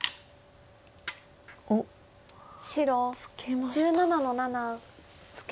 おっツケました。